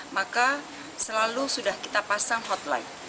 maka selalu sudah kita pasang hotline